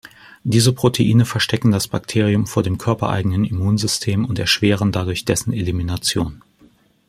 Diese Proteine verstecken das Bakterium vor dem körpereigenen Immunsystem und erschweren dadurch dessen Elimination.